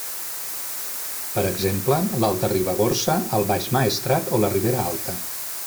Per exemple: l'Alta Ribagorça, el Baix Maestrat o la Ribera Alta.